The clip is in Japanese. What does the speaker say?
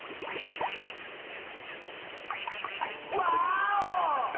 ワーオ！